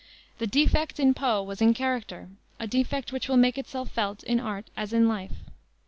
The defect in Poe was in character, a defect which will make itself felt in art as in life.